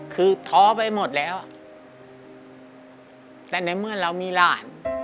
คือท้อไปหมดแล้วแต่ในเมื่อเรามีหลาน